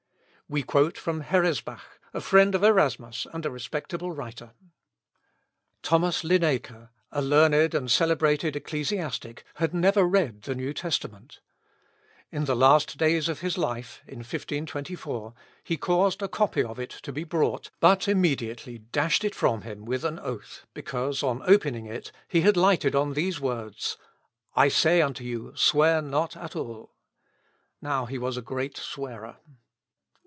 We quote from Heresbach, a friend of Erasmus, and a respectable writer. Thomas Linacer, a learned and celebrated ecclesiastic, had never read the New Testament. In the last days of his life, (in 1524,) he caused a copy of it to be brought, but immediately dashed it from him with an oath, because, on opening it, he had lighted on these words, "I say unto you, Swear not at all." Now he was a great swearer.